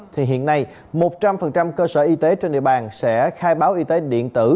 thì hiện nay một trăm linh cơ sở y tế trên địa bàn sẽ khai báo y tế điện tử